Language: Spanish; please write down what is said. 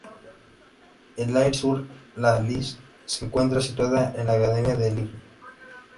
En Aire-sur-la-Lys se encuentra situada la Academia de Lille.